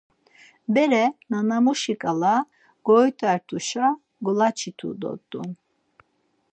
Bere, nanamuşi ǩale goykt̆ert̆uşa golaçitu dort̆u.